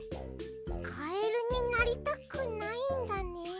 カエルになりたくないんだね。